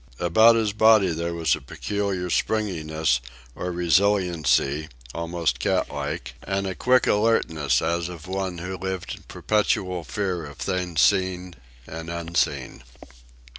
About his body there was a peculiar springiness, or resiliency, almost catlike, and a quick alertness as of one who lived in perpetual fear of things seen and unseen.